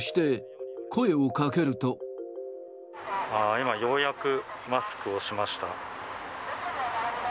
今、ようやくマスクをしました。